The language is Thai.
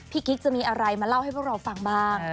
กิ๊กจะมีอะไรมาเล่าให้พวกเราฟังบ้าง